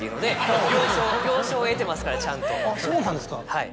はい。